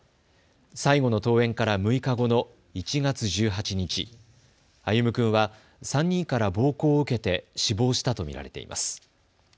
最後の登園から６日後の１月１８日、歩夢君は３人から暴行を受けて死亡したと見られています。